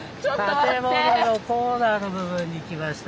建物のコーナーの部分に来ました。